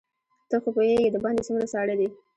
ته خو پوهېږې دباندې څومره ساړه دي.